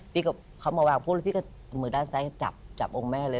พี่ก็เขามาวางพูดพี่ก็มือด้านซ้ายจับจับองค์แม่เลย